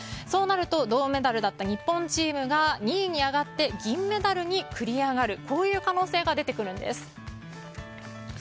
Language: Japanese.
そうなると銅メダルだった日本チームが２位に上がって銀メダルに繰り上がるこういう可能性が出てくるんです。